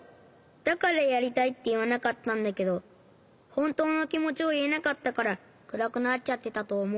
だからやりたいっていわなかったんだけどほんとうのきもちをいえなかったからくらくなっちゃってたとおもう。